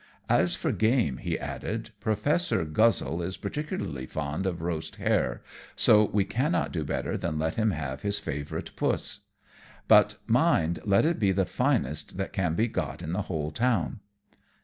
"As for game," he added, "Professor Guzzle is particularly fond of roast hare, so we cannot do better than let him have his favourite puss; but, mind, let it be the finest that can be got in the whole town."